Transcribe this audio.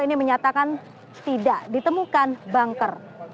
ini menyatakan tidak ditemukan banker